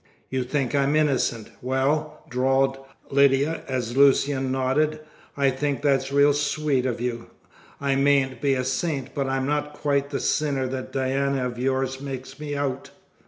"You think I am innocent? Well," drawled Lydia, as Lucian nodded, "I think that's real sweet of you. I mayn't be a saint, but I'm not quite the sinner that Diana of yours makes me out."